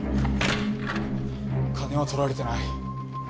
金は盗られてない。